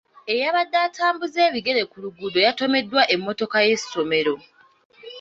Eyabadde atambuza ebigere ku luguudo yatomeddwa emmotoka y'essomero.